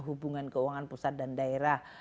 hubungan keuangan pusat dan daerah